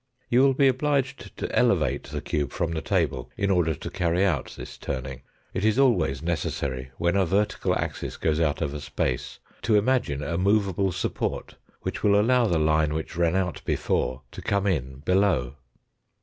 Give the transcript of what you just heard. You will be obliged to elevate the cube from the table in order to carry out this turning. It is always necessary when a vertical axis goes out of a space to imagine a movable support which will allow the line which ran out before to come in below.